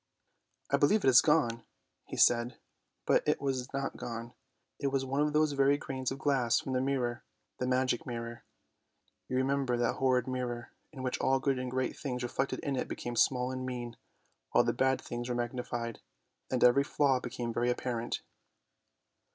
" I believe it is gone," he said, but it was not gone. It was one of those very grains of glass from the mirror, the magic mirror. You remember that horrid mirror, in which all good and great things reflected in it became small and mean, while 190 ANDERSEN'S FAIRY TALES the bad things were magnified, and every flaw became very apparent.